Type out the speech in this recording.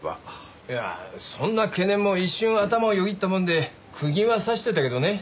いやそんな懸念も一瞬頭をよぎったもんで釘は刺しておいたけどね。